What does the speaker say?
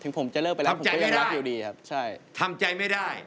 ผมจะเลิกไปแล้วผมก็ยังรักอยู่ดีครับใช่ทำใจไม่ได้